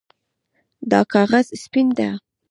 دا کاغذ سپین ده